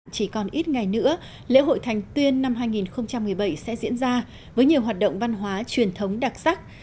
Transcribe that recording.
chỉ còn ít ngày nữa lễ hội thành tuyên năm hai nghìn một mươi bảy sẽ diễn ra với nhiều hoạt động văn hóa truyền thống đặc sắc